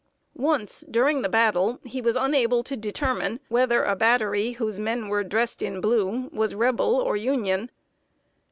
Once, during the battle, he was unable to determine whether a battery whose men were dressed in blue, was Rebel or Union.